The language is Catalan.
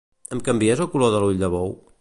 Em canvies el color de l'ull de bou?